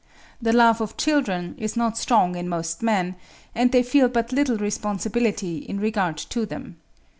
The love of children is not strong in most men, and they feel but little responsibility in regard to them.